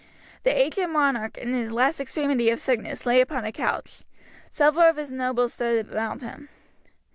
The aged monarch, in the last extremity of sickness, lay upon a couch. Several of his nobles stood around him.